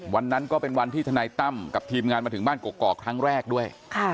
วันนั้นก็เป็นวันที่ทนายตั้มกับทีมงานมาถึงบ้านกอกครั้งแรกด้วย